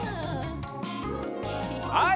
はい。